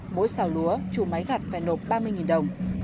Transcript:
mỗi xào lúa chủ máy gặt phải nộp ba mươi đồng